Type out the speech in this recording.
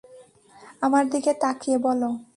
আমার দিকে তাকিয়ে বলো।